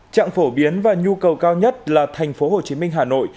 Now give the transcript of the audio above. trạng phổ biến và nhu cầu cao nhất là thành phố hồ chí minh hà nội